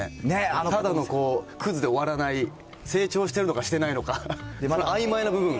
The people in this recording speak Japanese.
ただのクズで終わらない、成長してるのか、してないのか、あいまいな部分が。